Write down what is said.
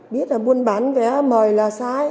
biết là buôn bán vé mời là sai